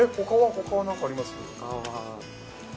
他は何かあります？